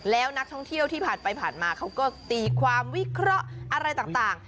แล้วนักท่องเที่ยวที่ผ่านไปผ่านมาเขาก็ตีความวิเคราะห์อะไรต่าง